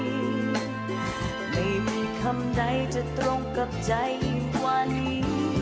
ไม่มีคำใดจะตรงกับใจยิ่งกว่านี้